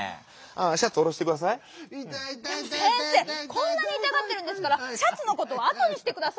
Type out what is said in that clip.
こんなにいたがってるんですからシャツのことはあとにしてください。